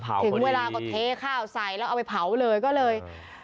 ติดเวลาก็เทข้าวไซส์แล้วเอาไปเผาเลย